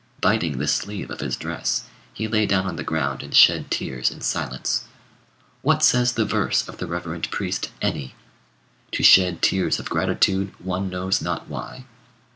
Biting the sleeve of his dress, he lay down on the ground and shed tears in silence. What says the verse of the reverend priest Eni? "To shed tears of gratitude one knows not why."